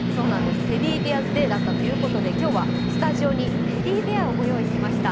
テディベアズ・デーだったということで、今日はスタジオにテディベアをご用意しました。